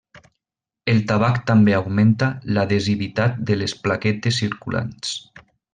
El tabac també augmenta l'adhesivitat de les plaquetes circulants.